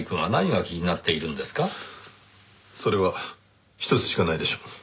それはひとつしかないでしょう。